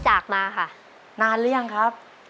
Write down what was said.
ขอเชิญแสงเดือนมาต่อชีวิตเป็นคนต่อชีวิตเป็นคนต่อชีวิต